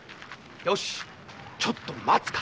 よしちょっと待つか。